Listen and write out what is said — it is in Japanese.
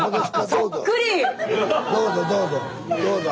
どうぞどうぞ。